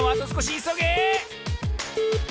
いそげ！